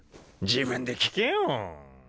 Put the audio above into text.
自分で聞けよ。